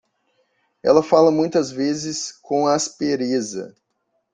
Ela fala muitas vezes com aspereza